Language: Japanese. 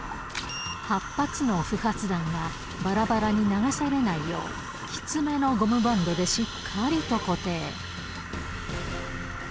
−８発の不発弾は、ばらばらに流されないよう、きつめのゴムバンドでしっかりと固定。